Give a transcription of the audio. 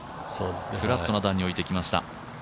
フラットな段に置いてきました。